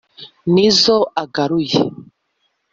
n'izo agaruye